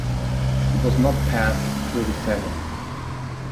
It was not passed through the Senate.